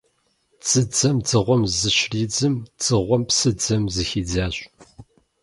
Дзыдзэм дзыгъуэм зыщридзым, дзыгъуэм псыдзэм зыхидзащ,.